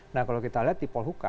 nah kalau kita lihat di polhuka